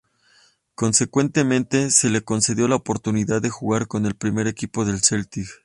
Consecuentemente, se le concedió la oportunidad de jugar con el primer equipo del Celtic.